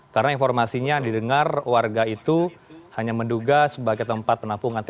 karena informasinya yang didengar warga itu hanya menduga sebagai tempat penampungan tku